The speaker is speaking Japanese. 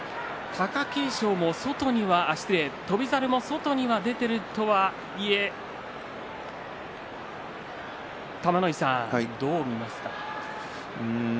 翔猿も外に出ているとはいえ玉ノ井さんはどう見ましたか？